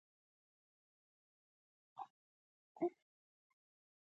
نو بيا قلم ښه شى شو که بد.